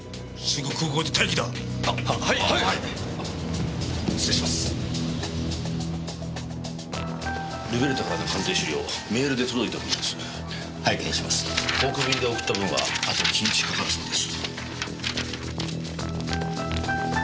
航空便で送った分はあと１日かかるそうです。